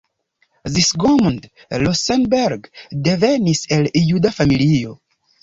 Zsigmond Rosenberg devenis el juda familio.